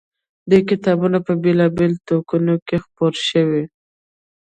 دې کتابونه په بېلا بېلو ټوکونوکې خپور شوی و.